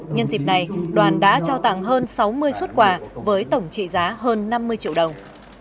nhân dịp này đoàn đã trao tặng hơn sáu mươi xuất quà với tổng trị giá hơn năm mươi triệu đồng